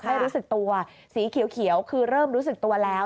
ไม่รู้สึกตัวสีเขียวคือเริ่มรู้สึกตัวแล้ว